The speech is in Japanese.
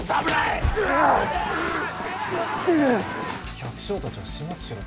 百姓たちを始末しろと？